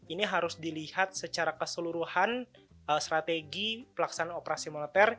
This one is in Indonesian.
ini harus dilihat secara keseluruhan strategi pelaksanaan operasi moneter